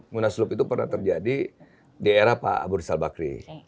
munaslup itu pernah terjadi di era pak abu rizal bakri